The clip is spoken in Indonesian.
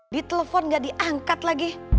di telepon gak diangkat lagi